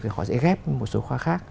thì họ sẽ ghép một số khoa khác